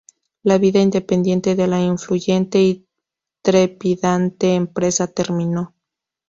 La vida independiente de la influyente y trepidante empresa terminó.